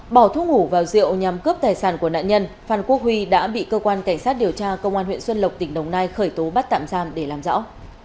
bỏ thuốc ngủ vào rượu nhằm cướp tài sản của nạn nhân phan quốc huy đã bị cơ quan cảnh sát điều tra công an huyện xuân lộc tỉnh đồng nai khởi tố bắt tạm giam để làm rõ